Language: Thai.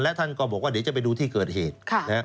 และท่านก็บอกว่าเดี๋ยวจะไปดูที่เกิดเหตุ